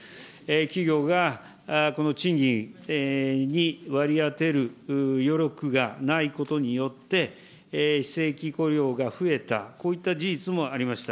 企業がこの賃金に割り当てる余力がないことによって、非正規雇用が増えた、こういった事実もありました。